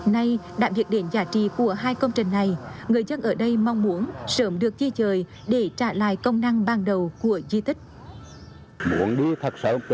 nay đạm việc đến giá trị của hai công trình này người dân ở đây mong muốn sớm được di rời để trả lại công năng ban đầu của di tích